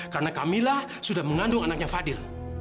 karena camilla sudah mengandung anaknya fadil